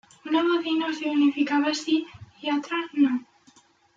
Una bocina significaba "sí" y otra "no".